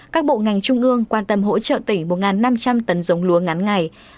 các bộ ngành trung ương quan tâm hỗ trợ tỉnh một năm trăm linh tấn giống lúa ngắn ngày